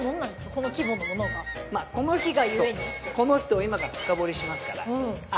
この規模のものがまあこの人を今から深掘りしますからあ